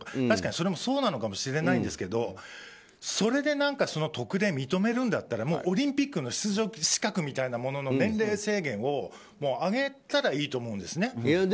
確かにそれもそうなのかもしれないんですけどそれで、特例を認めるんだったらオリンピックの出場資格みたいなものの年齢制限を上げたらいいと思うんですね。